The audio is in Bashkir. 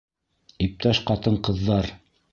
Иптәш ҡатын-ҡыҙҙар!